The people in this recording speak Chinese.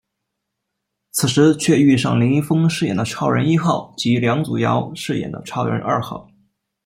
此时却遇上林一峰饰演的超人一号及梁祖尧饰演的超人二号。